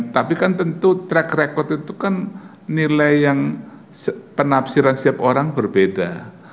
tapi kan tentu track record itu kan nilai yang penafsiran setiap orang berbeda